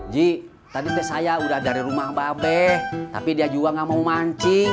mereka bilang saya sudah dari rumah mbak be tapi dia juga tidak mau mancing